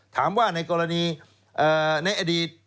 ถามว่าในกรณีในอดีต